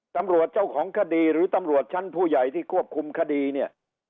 ตำรวจเจ้าของคดีหรือตำรวจชั้นผู้ใหญ่ที่ควบคุมคดีเนี่ย